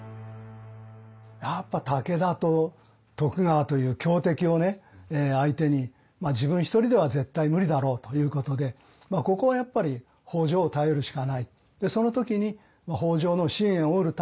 やっぱ武田と徳川という強敵を相手に自分一人では絶対無理だろうということでここはやっぱり北条を頼るしかない。